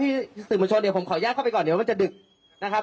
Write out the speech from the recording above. สื่อมวลชนเดี๋ยวผมขออนุญาตเข้าไปก่อนเดี๋ยวมันจะดึกนะครับ